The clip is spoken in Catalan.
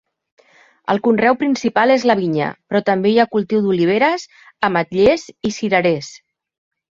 El conreu principal és la vinya, però també hi ha cultiu d'oliveres, ametllers i cirerers.